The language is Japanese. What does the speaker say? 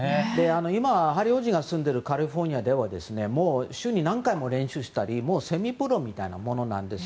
今、ヘンリー王子が住んでいるカリフォルニアではもう週に何回も練習したりセミプロみたいなものなんです。